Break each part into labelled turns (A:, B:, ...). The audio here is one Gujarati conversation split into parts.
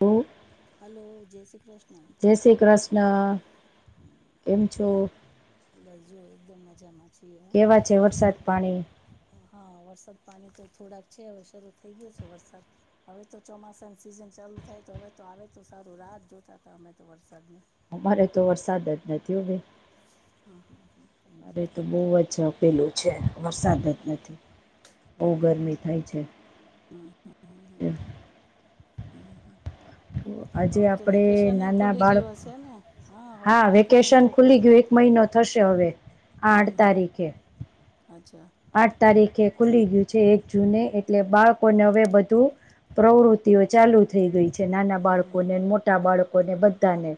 A: લો
B: હલો, જય શ્રી કૃષ્ણ.
A: ના
B: બસ જુઓ એકદમ મજામાં છીએ હો
A: કેવા છે વરસાદ પાણી
B: હા વરસાદ પાણી તો થોડાક છે હવે શરૂ થઈ ગયો છે વરસાદ હવે તો ચોમાસા સીઝન ચાલુ થાય તો હવે તો આવે તો સારું રાત જોતા હતા અમે તો વરસાદની
A: અમારે તો વરસાદ જ નથી હો ભઈ.
B: હા, હા.
A: મારે તો બહુ જ આ પેલું છે વરસાદ જ નથી. બહુ ગરમી થાય છે.
B: હમ્મ, હમ્મ, હમ્મ.
A: એમ આજે
B: હવે તો
A: આપડે
B: વેકેશન એ
A: નાના
B: ખુલી ગયું
A: બાળકો
B: હશે ને હવે
A: હા
B: તો
A: વેકેશન
B: છોકરા
A: ખુલી ગયું એક મહિનો થશે હવે
B: હમ
A: આઠ
B: હમ
A: તારીખે
B: અચ્છા
A: આઠ તારીખે ખુલી ગયું છે. એક જૂને એટલે બાળકોને હવે બધુ પ્રવૃતિઓ ચાલુ થઈ ગઈ છે નાના
B: હમ હમ
A: બાળકોને મોટા બાળકો ને બધાને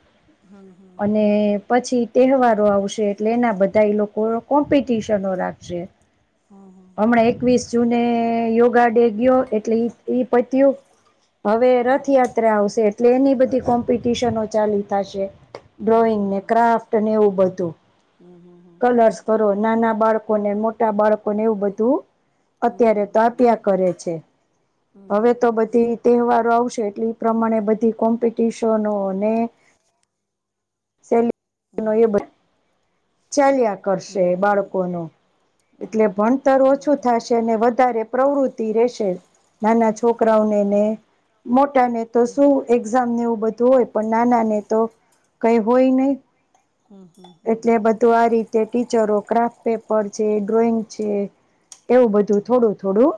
B: હમ હમ
A: અને
B: હમ હમ
A: પછી તહેવારો આવશે એટલે એના બધા એ લોકો કોમ્પિટિશનો રાખશે
B: હમ હમ
A: હમણા એકવીસ જુને યોગા ડે ગયો એટલે એ પતયું હવે રથયાત્રા આવશે પ્લેની બધી કોમ્પિટિશનો ચાલી થાસે
B: હમ હમ
A: ડ્રોઈંગ
B: હમ હમ હમ
A: ને ક્રાફ્ટ ને એવું બધું
B: હમ હમ હમ
A: કલર્સ કરો નાના બાળકો ને મોટા બાળકો એવું બધું અત્યારે
B: હમ
A: તો
B: હમ હમ
A: આપ્યા કરે છે.
B: હમ
A: હવે
B: હમ
A: તો
B: હમ હમ.
A: બધી તહેવારો આવશે એટલે એ પ્રમાણે બધી કોમ્પિટિશનો ને સે
B: કોમ્પિટિશનો ને હમ
A: એવી
B: હમ
A: બધી ચાલ્યા કરશે
B: હમ હમ
A: બાળકો
B: હમ
A: ને એટલે ભણતર ઓછું થશે અને વધારે પ્રવૃતિ રહેશે નાના છોકરાઓને ને મોટા ને તો શું
B: હમ
A: એક્ઝામ ને એવું બધું હોય પણ નાના ને તો કઈ હોય નહી
B: હમ હમ હમ હમ હમ
A: એટલે બધું આ રીતે ટીચરો ક્રાફ્ટ પેપર છે ડ્રોઈંગ છે. એવું બધું થોડું થોડું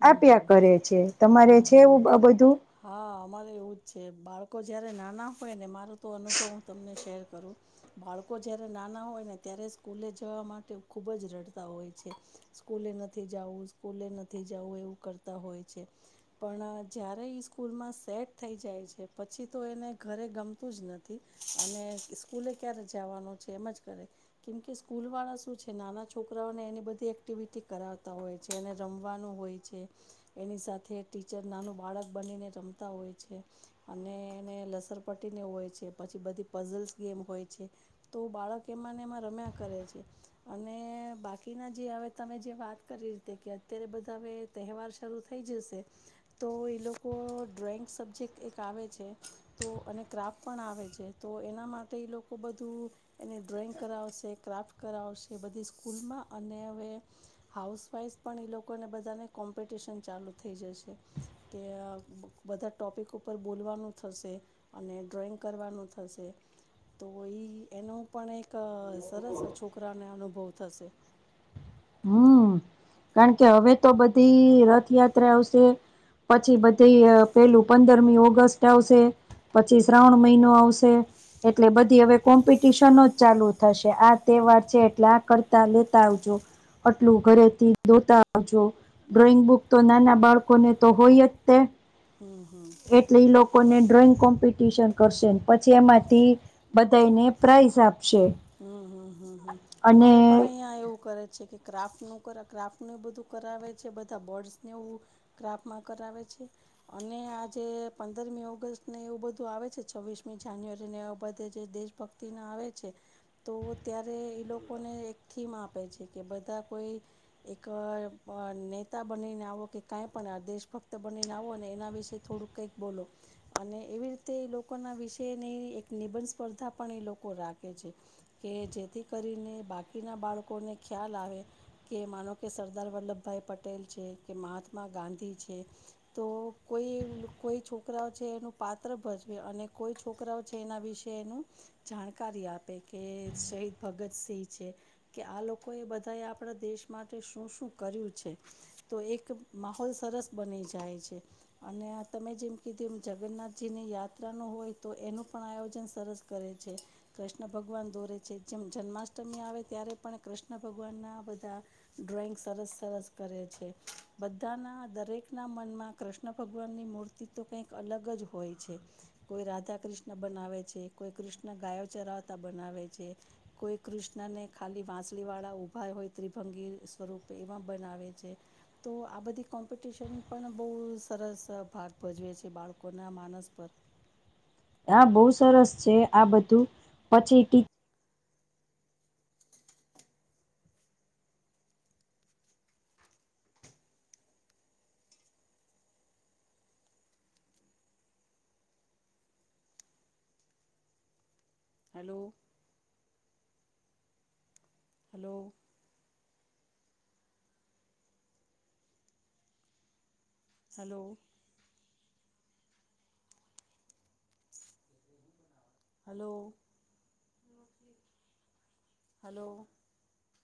B: હમ
A: આપ્યા
B: હમ હમ
A: કરે છે તમારે
B: હમ
A: છે
B: હમ
A: એવું બધું
B: હા અમારે એવું જ છે બાળકો જયારે નાના હોય ને મારો તો અનુભવ હું તમને શેર કરું બાળકો જ્યારે નાના હોય ને ત્યારે સ્કૂલે જવા માટે ખૂબ જ રડતા હોય છે સ્કૂલે નથી જવું, સ્કૂલે નથી જવું એવું કરતા હોય છે પણ જયારે ઈ સ્કૂલમાં સેટ થઈ જાય છે પછી તો એને ઘરે ગમતું જ નથી અને સ્કૂલે ક્યારે જવાનું છે એમ જ કરે કેમ કે સ્કૂલ વાળા શું છે નાના છોકરાઓને એની બધી એક્ટિવિટી કરાવતા હોય છે અને રમ હોય છે એની સાથે ટીચર નાનું બાળક બનીને રમતા હોય છે ને એને લસર પટીને હોય છે, પછી બધી પઝલ્સ ગેમ હોય છે તો બાળક એમાં એમાં રમયા કરે છે અને બાકીના જે હવે તમે જે વાત કરી રીતે અત્યારે બધા હવે તહેવાર શરૂ થઈ જશે તો એ લોકો ડ્રોઈંગ સબ્જેક્ટ એક આવે છે તો અને ક્રાફ્ટ પણ આવે છે તો એના માટે એ લોકો બધું એ ડ્રોઈંગ કરાવશે ક્રાફ્ટ કરાવશે બધી સ્કૂલમાં અને હવે હાઉસ વાઈશ પણ એ લોકોને બધાને કોમ્પિટિશન ચાલુ થઈ જશે કે બધા ટોપિક ઉપ ઉપર બોલવાનું થશે અને ડ્રોઈંગ કરવાનું થશે, તો ઈ એનો પણ એક સરસ છોકરાને અનુભવ થશે.
A: હ કારણ કે હવે તો બધી રથયાત્રા આવશે. પછી બધી પેલું પંદરમી ઓગસ્ટ આવશે, પછી શ્રાવણ મહિનો આવશે એટલે બધી હવે કોમ્પિટિશનો જ ચાલુ થશે આ તે વાર છે એટલે આ કરતા લેતા આવજો આટલું ઘરેથી ધોતાજો ડ્રોઈંગ બુક તો નાના બાળકોને તો હોય જ તે
B: હમ્મ હમ્મ
A: એટલે ઈ લોકોને ડ્રોઈંગ કોમ્પિટિશન કરશે પછી એમાંથી બધાને પ્રાઇઝ આ
B: હમ હમ હમમ અમારે પણ અહિયાં એવું કરે છે કે ક્રાફ્ટ નું કર ક્રાફ્ટનું બધું કરાવે છે બધા બર્ડ્સને એવું ક્રાફ્ટમાં કરાવે છે અને આ આજ પંદરમી ઓગસ્ટને એવું બધું આવે છે છવ્વીસમી જાન્યુઆરી ને એ બધે દેશ ભક્તિના આવે છે. તો ત્યારે એ લોકોને એક થીમ આપે છે કે બધા કોઈ એક નેતા બનીને આવો કે કાંઈ પણ દેશભક્ત બનીને આવો અનેને એના વિશે થોડુંક કંઈક બોલો અને એવી રીતે એ લોકોના વિશેની એક નિબંધ સ્પર્ધા પણ એ લોકો રાખે છે કે જેથી કરીને બાકીના બાળકોને ખ્યાલ આવે કે માનો કે સરદાર વલ્લભભાઈ ભાઈ પટેલ છે કે મહાત્મા ગાંધી છે તો કોઈ કોઈ છોકરાઓ છે એનું પાત્ર ભજવે અને કોઈ છોકરાઓ છે એના વિશે એનું જાણકારી આપે કે શહીદ ભગતસિંહ છે કે આ લોકોએ બધાએ આપણા દેશ માટે શું શું કર એક માહોલ સરસ બની જાય છે અને તમે જેમ કીધું જગન્નાથજીની યાત્રા ન હોય તો એનું પણ આયોજન સરસ કરે છે કૃષ્ણ ભગવાન દોરે છે જેમ જન્માષ્ટમી આવે ત્યારે પણ કૃષ્ણ ભગવાન ના બધા ડ્રોઈંગ સરસ સરસ કરે છે બધાના દરેક ના મનમાં કૃષ્ણ ભગવાનની મૂર્તિ તો કંઈક અલગ જ હોય છે કોઈ રાધા કૃષ્ણ બનાવે છે, કોઈ કૃષ્ણ ગાયો ચરાવ બનાવે છે કોઈ કૃષ્ણને ખાલી વાંસળીવાળા ઉભા હોય ત્રિભંગી સ્વરૂપ એમાં બનાવે છે તો આ બધી કોમ્પિટિશન પણ બહુ સરસ ભાગ ભજવે છે બાળકો ના માનસ પર
A: હા બહુ સરસ છે આ બધું પછી
B: hello hello hello hello hello